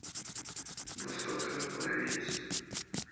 ¿vosotros no vivís?